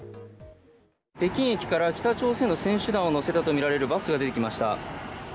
北京駅から北朝鮮の選手団を乗せたとみられるバスが出てきました。